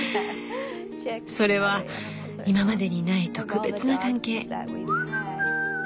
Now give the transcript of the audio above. それは今までにない特別な関係。